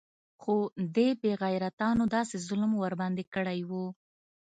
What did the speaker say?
خو دې بې غيرتانو داسې ظلم ورباندې کړى و.